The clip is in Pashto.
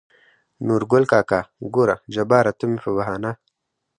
نورګل کاکا: ګوره جباره ته مې په بهانه